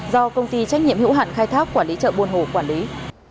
do công ty trách nhiệm hữu hạn khai thác quản lý chợ buôn hồ quản lý